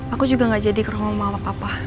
aku juga gak jadi ke rumah mama papa